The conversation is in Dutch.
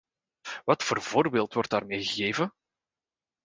Wat voor voorbeeld wordt daarmee gegeven?